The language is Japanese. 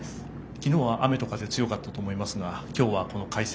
昨日は雨風、強かったと思いますが今日は快晴。